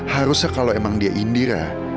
harusnya kalau emang dia indira